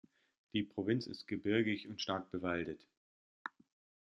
Die Provinz ist gebirgig und stark bewaldet.